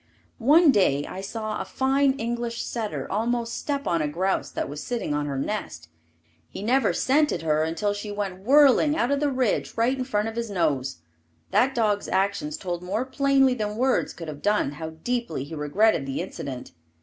One day I saw a fine English setter almost step on a grouse that was sitting on her nest. He never scented her until she went whirling out the ridge right in front of his nose. That dog's actions told more plainly than words could have done, how deeply he regretted the incident.